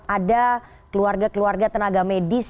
ada keluarga keluarga tenaga medis